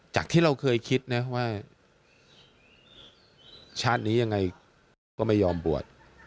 จากที่เราเคยคิดนะว่าชาตินี้ยังไงก็ไม่ยอมบวช